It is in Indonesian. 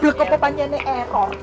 dubek apa panjangnya error